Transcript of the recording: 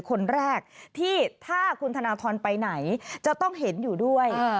คนแรกที่ถ้าคุณธนทรไปไหนจะต้องเห็นอยู่ด้วย